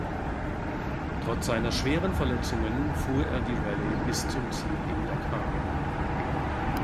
Trotz seiner schweren Verletzungen fuhr er die Rallye bis zum Ziel in Dakar.